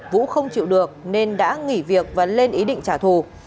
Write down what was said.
vũ không chịu được nên đã nghỉ việc và lên ý định trả thù